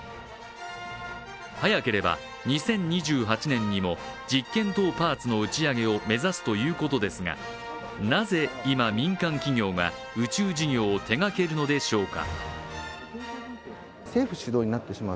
早ければ２０２８年にも実験棟パーツの打ち上げを目指すということですがなぜ今、民間企業が宇宙事業を手がけるのでしょうか。